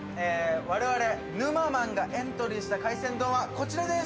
我々ぬまＭａｎがエントリーした海鮮丼はこちらです！